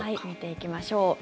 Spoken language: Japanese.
見ていきましょう。